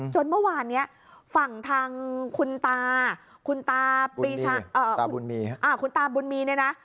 จนเมื่อวานนี้ฝั่งทางคุณตาคุณตาคุณตาบุญมีเนี่ยนะ